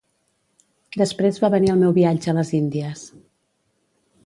Després va venir el meu viatge a les Índies.